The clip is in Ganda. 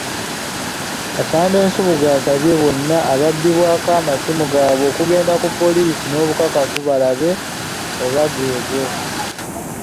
Afande Nsubuga asabye bonna ababbibwako amasimu gaabwe okugenda ku poliisi n'obukakafu balabe oba geego.